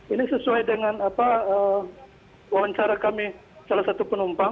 ini sesuai dengan wawancara kami salah satu penumpang